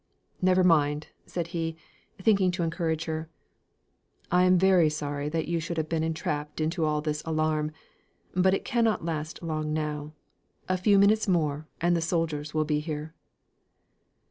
"Never mind!" said he, thinking to encourage her. "I am very sorry that you should have been entrapped into all this alarm; but it cannot last long now; a few minutes more, and the soldiers will be here."